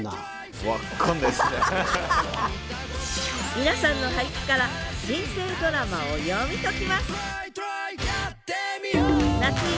皆さんの俳句から人生ドラマを読み解きます！